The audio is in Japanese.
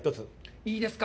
いいですか。